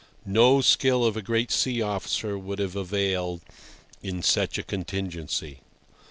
No skill of a great sea officer would have availed in such a contingency.